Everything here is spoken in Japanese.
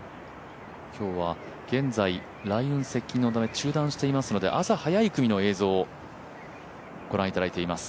今日は現在、雷雲の影響で中断していますから朝早い組の映像をご覧いただいています。